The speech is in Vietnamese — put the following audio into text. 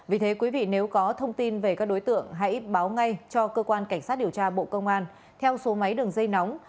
vì thế quý vị nếu có thông tin về các đối tượng hãy báo ngay cho cơ quan cảnh sát điều tra bộ công an theo số máy đường dây nóng